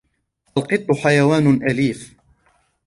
. القطّ حيوان أليف